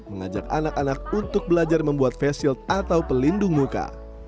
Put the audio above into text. mengajak anak anak untuk belajar membuat face shield atau pelindung muka